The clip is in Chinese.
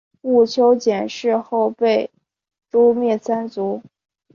毋丘俭事后被诛灭三族。